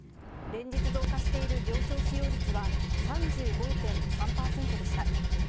連日増加している病床使用率は３５．３％でした。